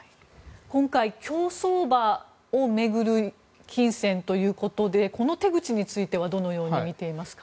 今回、競走馬を巡る金銭ということでこの手口についてはどのように見ていますか？